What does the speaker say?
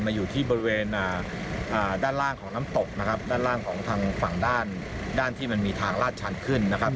อยู่ที่บริเวณด้านล่างของน้ำตกนะครับด้านล่างของทางฝั่งด้านที่มันมีทางลาดชันขึ้นนะครับ